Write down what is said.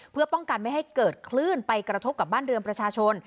เพื่อป้องกันไม่ให้เกิดคลื่นไปกระทบกับบ้านเรือนประชาชน